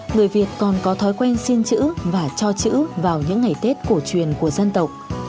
người việt còn có thói quen xin chữ và cho chữ vào những ngày tết cổ truyền của dân tộc